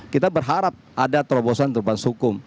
kita berharap ada terobosan terbas hukum